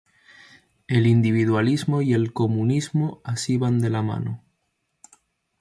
El individualismo y el comunismo así van de la mano.